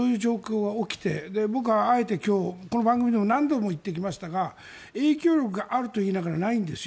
僕はあえて、この番組でも何度も言ってきましたが影響力があるといいながらないんですよ。